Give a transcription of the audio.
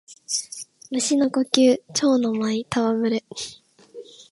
蟲の呼吸蝶ノ舞戯れ（ちょうのまいたわむれ）